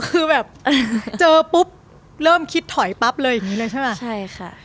คือแบบเจอปุ๊บเริ่มคิดถอยปั๊บเลยอย่างนี้เลยใช่ป่ะใช่ค่ะ